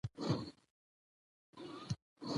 زردالو د افغانستان د طبیعت یوه برخه ده.